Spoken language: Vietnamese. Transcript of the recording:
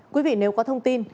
quý vị nếu có thông tin